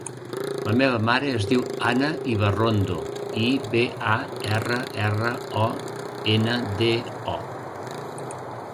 La meva mare es diu Ana Ibarrondo: i, be, a, erra, erra, o, ena, de, o.